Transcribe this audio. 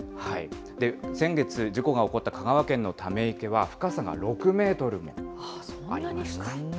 先月事故が起こった香川県のため池は、深さが６メートルもありました。